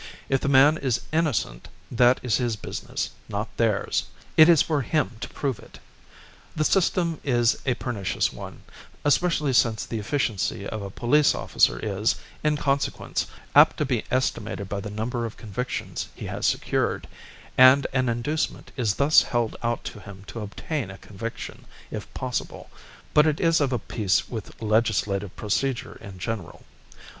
If the man is innocent, that is his business, not theirs; it is for him to prove it. The system is a pernicious one especially since the efficiency of a police officer is, in consequence, apt to be estimated by the number of convictions he has secured, and an inducement is thus held out to him to obtain a conviction, if possible; but it is of a piece with legislative procedure in general.